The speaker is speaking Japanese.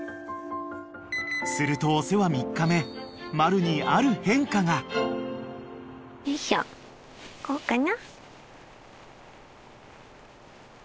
［するとお世話３日目マルにある変化が］よいしょこうかな？